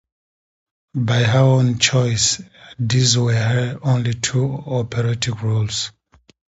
By her own choice, these were her only two operatic roles.